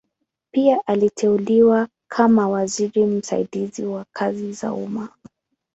Pia aliteuliwa kama waziri msaidizi wa kazi za umma.